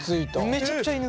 めちゃくちゃ犬。